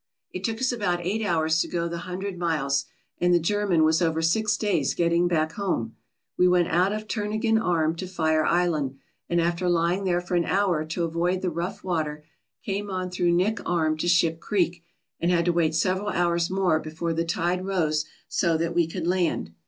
It took us about eight hours to go the hundred miles, and the German was over six days getting back home. We went out of Turnagain Arm to Fire Island, and after lying there for an hour to avoid the rough water, came on through Knik Arm to Ship Creek, and had to wait several hours more before the tide rose so that we could land.